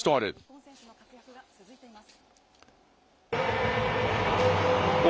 日本選手の活躍が続いています。